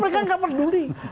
mereka gak peduli